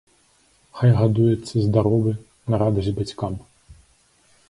Хай гадуецца здаровы на радасць бацькам.